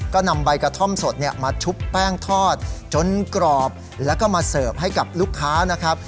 ก็นำใบกระท่อมสดเนี่ยมาชุบแป้งทอดจนกรอบแล้วก็มาเสิร์ฟให้กับลูกค้านะครับ